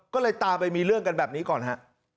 ก็เลยตามไปมีเรื่องกันแบบนี้ก่อนฮะ